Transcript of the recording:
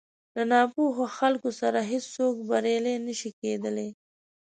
له ناپوهو خلکو سره هېڅ څوک بريالی نه شي کېدلی.